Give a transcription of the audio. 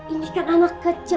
injikan anak kecil